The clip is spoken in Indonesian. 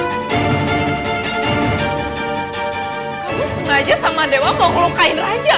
kamu sengaja sama dewa mau ngelukain raja